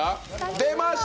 出ました！